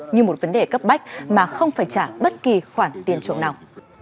như một vấn đề cấp bách mà không phải trả bất kỳ khoản tiền chuộc nào